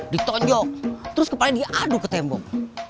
ditonjok terus kepala diaduk ke tembok